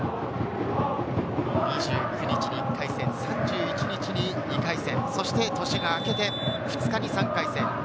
２９日に１回戦、３１日に２回戦、年が明けて２日に３回戦。